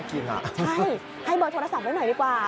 ใช่ให้เบอร์โทรศัพท์ไว้หน่อยดีกว่า